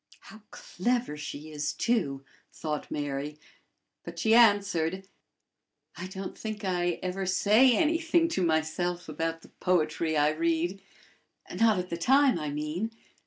"How clever she is, too!" thought Mary; but she answered: "I don't think I ever say anything to myself about the poetry I read not at the time, I mean.